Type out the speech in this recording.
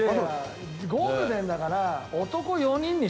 ゴールデンだから。